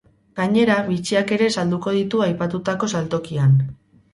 Gainera, bitxiak ere salduko ditu aipatutako saltokian.